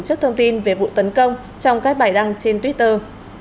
trước thông tin về vụ tấn công trong các bài đăng trên twitter